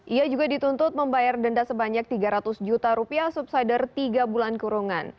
ia juga dituntut membayar denda sebanyak tiga ratus juta rupiah subsider tiga bulan kurungan